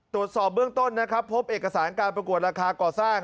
ตรวจสอบเบื้องต้นนะครับพบเอกสารการประกวดราคาก่อสร้าง